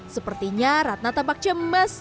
sepertinya ratna tampak cemas